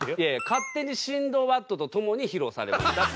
「『勝手にシンドバッド』と共に披露されました」